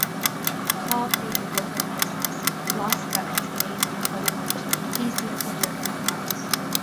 Cáblaí ag gobadh aníos as, lasca agus méadair chuile áit, píosaí copair ar an mbord.